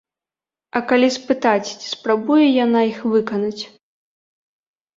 А калі спытаць, ці спрабуе яна іх выканаць?